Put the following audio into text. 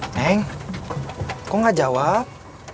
neng kok gak jawab